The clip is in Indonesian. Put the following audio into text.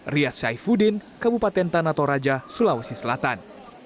riaz saifuddin kabupaten tanatoraja sulawesi selatan